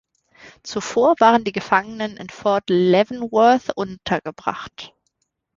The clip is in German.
Zuvor waren die Gefangenen in Fort Leavenworth untergebracht.